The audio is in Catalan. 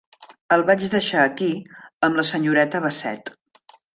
El vaig deixar aquí amb la senyoreta Bassett.